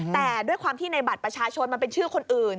แต่ด้วยความที่ในบัตรประชาชนมันเป็นชื่อคนอื่น